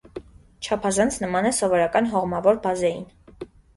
Չափազանց նման է սովորական հողմավոր բազեին։